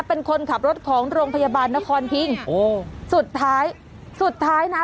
เป็นคนขับรถของโรงพยาบาลนครพิงโอ้สุดท้ายสุดท้ายนะ